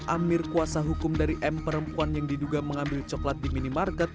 amir kuasa hukum dari m perempuan yang diduga mengambil coklat di minimarket